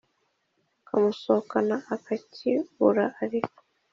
akamusohokana akakibura ariko